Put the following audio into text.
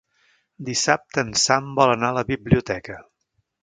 Dissabte en Sam vol anar a la biblioteca.